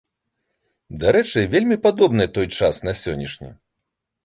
Дарэчы, вельмі падобны той час на сённяшні.